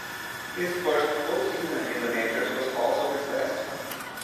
His first full season in the majors was also his best.